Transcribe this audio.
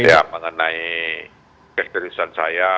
ya mengenai keistirahatan saya